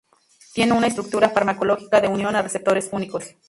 Tiene una estructura farmacológica de unión a receptores únicos.